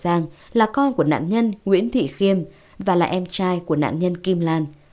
cô hương là con của nạn nhân nguyễn thị khiêm và là em trai của nạn nhân kim lan